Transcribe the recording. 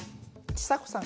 ちさ子さん。